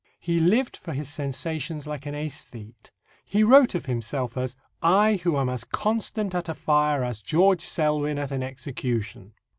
He lived for his sensations like an æsthete. He wrote of himself as "I, who am as constant at a fire as George Selwyn at an execution."